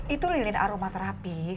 itu lilin aroma terapi